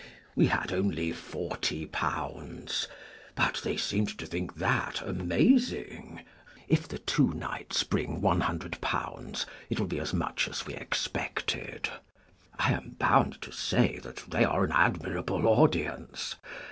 We had only <£40 ; but they seemed to think that, amazing ! If the two nights bring ,£100, it will be as much as we expected. I am bound to say that they are an admir able audience.